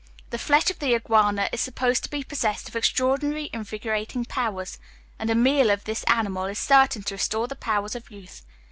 The flesh of the "iguana" is supposed to be possessed of extraordinary invigorating powers, and a meal off this animal is certain to restore the powers of youth.